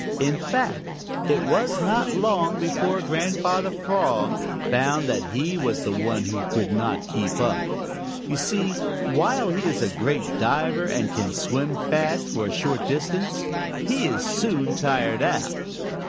In fact, it was not long before Grandfather Frog found that he was the one who could not keep up. You see, while he is a great diver and can swim fast for a short distance, he is soon tired out.